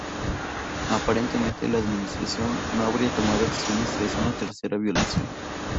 Aparentemente, la administración no habría tomado acciones tras una tercera violación.